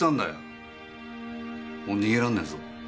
もう逃げらんねえぞ。